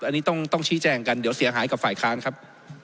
อันนี้ต้องชี้แจงกันเดี๋ยวเสียหายกับฝ่ายค้านครับ